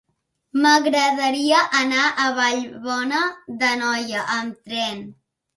M'agradaria anar a Vallbona d'Anoia amb tren.